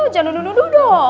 jangan duduk duduk dong